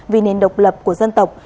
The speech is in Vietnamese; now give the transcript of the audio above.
vì nền độc lập của dân tộc